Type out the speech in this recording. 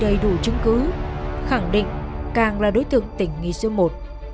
đầy đủ chứng cứ khẳng định càng là đối tượng tỉnh nghị sơn một